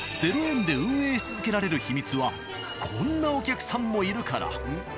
０円で運営し続けられる秘密はこんなお客さんもいるから。